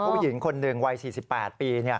ผู้หญิงคนหนึ่งวัย๔๘ปี